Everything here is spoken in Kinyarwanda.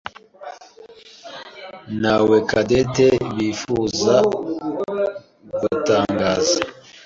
nawe Cadette bifuzaga gutangaza.